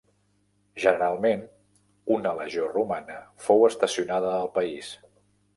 Generalment una legió romana fou estacionada al país.